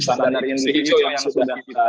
standar dari indonesia yang sudah kita